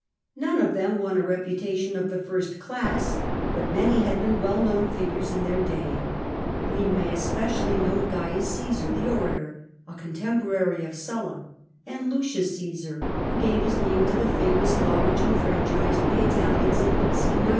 None of them won a reputation of the first class, but many had been well known figures in their day : we may especially note Cains Cmsar the orator, a con temporary of Sulla, and Lucius Cassar, who gave his name to the famous law which enfranchised the Italians in B.O. 90.